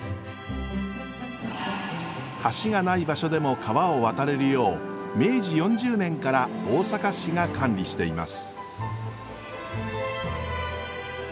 橋がない場所でも川を渡れるよう明治４０年から大阪市が管理しています。